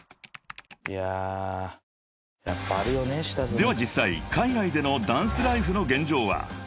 ［では実際海外でのダンスライフの現状は］